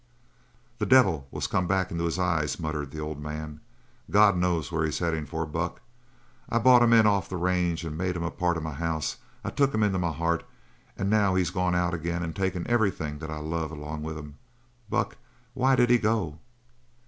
"The devil was come back in his eyes," muttered the old man. "God knows where he's headin' for! Buck, I brought him in off'n the range and made him a part of my house. I took him into my heart; and now he's gone out again and taken everything that I love along with him. Buck, why did he go?"